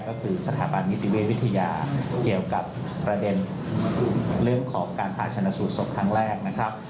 ก็คือสถาบันนิติเวชวิทยาเกี่ยวกับประเด็นเรื่องของการผ่าชนะสูตรศพครั้งแรกนะครับ